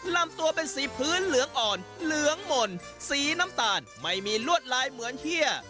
ลำตัวเป็นสีพื้นเหลืองอ่อนเหลืองหม่นสีน้ำตาลไม่มีลวดลายเหมือนเฮีย